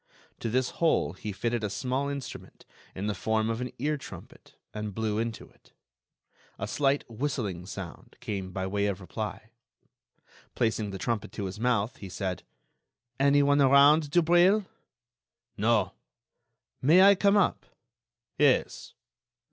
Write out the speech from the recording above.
To this hole he fitted a small instrument in the form of an ear trumpet and blew into it. A slight whistling sound came by way of reply. Placing the trumpet to his mouth, he said: "Anyone around, Dubreuil?" "No." "May I come up?" "Yes."